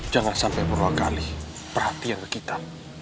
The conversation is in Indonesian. jangan sampai purwagali perhatian ke kita